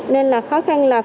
nên là khó khăn